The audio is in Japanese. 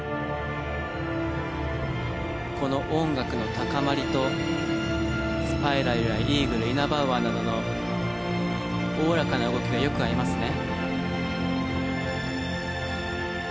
この音楽の高まりとスパイラルやイーグルイナバウアーなどのおおらかな動きがよく合いますね。